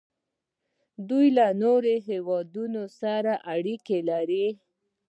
دوی له نورو هیوادونو سره اړیکې لري.